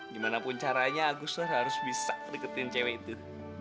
gimana pun caranya agus kan harus bisa deketin cewek itu